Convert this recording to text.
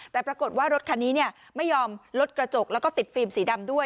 แต่ปรากฏว่ารถคันนี้ไม่ยอมลดกระจกแล้วก็ติดฟิล์มสีดำด้วย